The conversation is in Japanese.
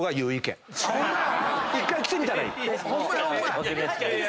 １回来てみたらいい。